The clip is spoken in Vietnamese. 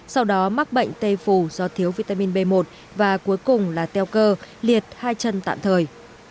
sau đó mắc bệnh tê phù do thiếu vitamin b một và cuối cùng là teo cơ liệt hai chân tạm thời